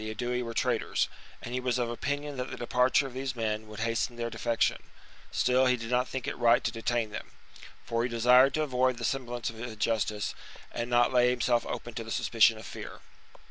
c. Aedui were traitors, and he was of opinion that the departure of these men would hasten their defection : still he did not think it right to detain them ; for he desired to avoid the semblance of injustice and not lay himself open to the suspicion of fear.